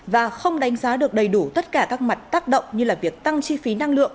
và không đánh giá được đầy đủ tất cả các mặt tác động như là việc tăng chi phí năng lượng